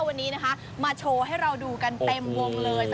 วันนี้นะคะมาโชว์ให้เราดูกันเต็มวงเลย